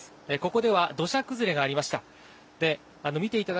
ここでは、土砂崩れがありました。